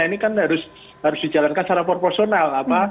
ini kan harus dijalankan secara proporsional